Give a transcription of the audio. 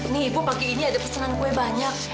nih ibu pagi ini ada pesanan kue banyak